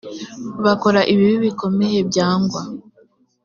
bakora ibibi bikomeye byangwa